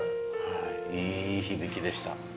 いい響きでした。